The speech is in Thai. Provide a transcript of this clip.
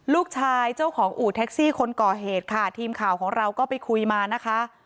เจ้าของอู่แท็กซี่คนก่อเหตุค่ะทีมข่าวของเราก็ไปคุยมานะคะ